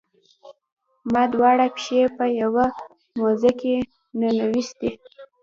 ما دواړه پښې په یوه موزه کې ننویستي.